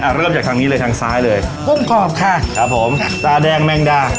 เริ่มจากทางนี้เลยทางซ้ายเลยกุ้งกรอบค่ะครับผมตาแดงแมงดา